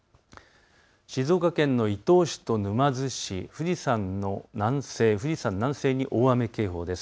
静岡県の伊東市と沼津市、富士山の南西に大雨警報です。